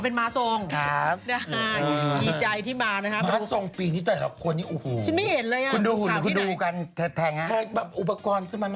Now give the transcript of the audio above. เอาเป็นม้าทรงครับ